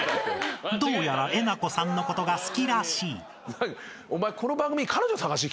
［どうやらえなこさんのことが好きらしい］お前。